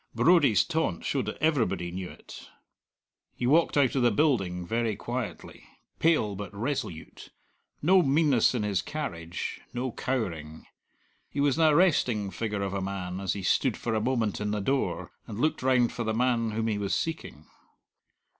Brodie's taunt showed that everybody knew it. He walked out of the building very quietly, pale but resolute; no meanness in his carriage, no cowering. He was an arresting figure of a man as he stood for a moment in the door and looked round for the man whom he was seeking.